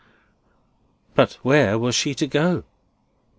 But where was she to go?